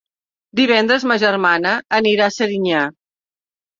Divendres ma germana anirà a Serinyà.